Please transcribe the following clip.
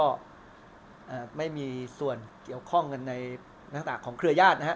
อ่าไม่มีส่วนเกี่ยวข้องกันในภาษาของเครือยาศนะฮะ